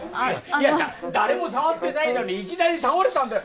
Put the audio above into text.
いや誰も触ってないのにいきなり倒れたんだよ